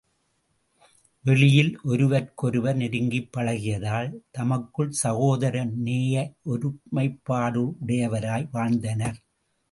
வெளியில் ஒருவர்க்கொருவர் நெருங்கிப் பழகியதால் தமக்குள் சகோதர நேய ஒருமைப்பாடுடையவராய் வாழ்ந்தனர்.